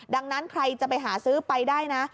ดังนั้นใครจะไปหาซื้อไปได้นะ